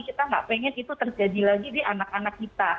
kita nggak pengen itu terjadi lagi di anak anak kita